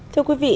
thưa quý vị